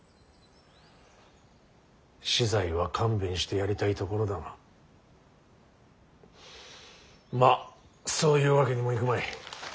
死罪は勘弁してやりたいところだがまあそういうわけにもいくまい。